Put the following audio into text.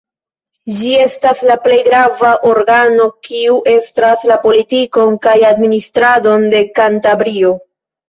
Ĝi estas la plej grava organo, kiu estras la politikon kaj administradon de Kantabrio.